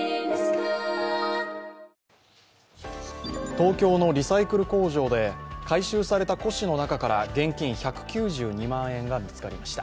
東京のリサイクル工場で回収された古紙の中から現金１９２万円が見つかりました。